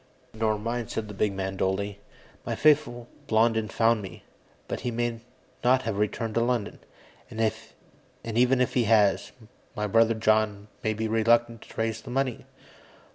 "Nor mine," said the big man dully. "My faithful Blondin found me, but he may not have returned to London. And even if he has, my brother John may be reluctant to raise the money."